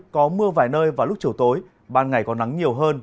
có mưa vài nơi vào lúc chiều tối ban ngày có nắng nhiều hơn